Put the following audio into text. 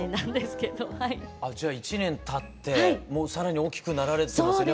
１年たって更に大きくなられてますよね